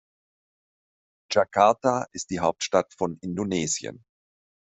Jakarta ist die Hauptstadt von Indonesien.